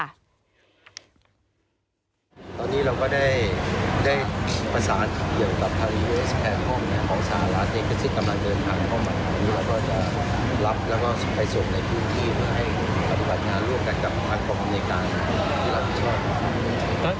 แต่กับภาพของอเมริกาค่ะที่รักใช่ไหมครับ